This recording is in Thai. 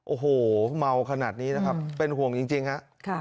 โอ้โหเมาขนาดนี้นะครับเป็นห่วงจริงฮะ